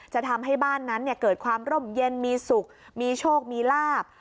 จะทำให้บ้านนั้นเกิดความร่มเย็นมีสุขมีโชคมีลาบ